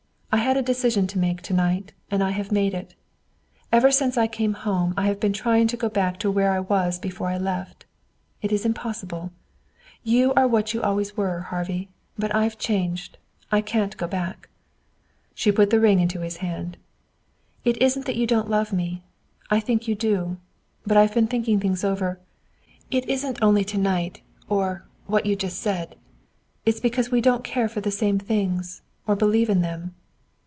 "I had a decision to make to night, and I have made it. Ever since I came home I have been trying to go back to where we were before I left. It isn't possible. You are what you always were, Harvey. But I've changed. I can't go back." She put the ring into his hand. "It isn't that you don't love me. I think you do. But I've been thinking things over. It isn't only to night, or what you just said. It's because we don't care for the same things, or believe in them."